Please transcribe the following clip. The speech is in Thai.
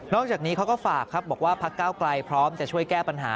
จากนี้เขาก็ฝากครับบอกว่าพักเก้าไกลพร้อมจะช่วยแก้ปัญหา